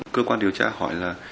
cơ quan điều tra hỏi là